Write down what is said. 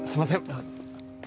あっ。